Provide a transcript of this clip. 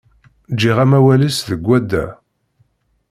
Ǧǧiɣ amawal-is deg wadda.